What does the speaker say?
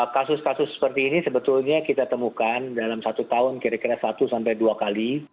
kasus kasus seperti ini sebetulnya kita temukan dalam satu tahun kira kira satu sampai dua kali